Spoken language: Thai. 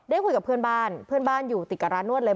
คุยกับเพื่อนบ้านเพื่อนบ้านอยู่ติดกับร้านนวดเลย